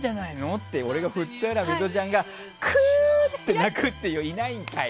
って俺が振ったらミトちゃんがくー！って泣いていないんかい！